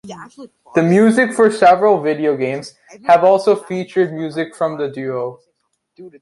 The music for several video games have also featured music from the duo.